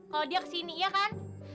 kalo dia kesini iya kan